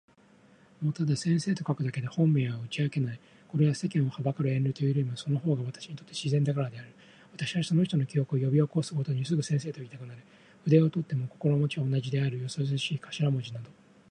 私はその人を常に先生と呼んでいた。だからここでもただ先生と書くだけで本名は打ち明けない。これは世間を憚る遠慮というよりも、その方が私にとって自然だからである。私はその人の記憶を呼び起すごとに、すぐ「先生」といいたくなる。筆を執とっても心持は同じ事である。よそよそしい頭文字などはとても使う気にならない。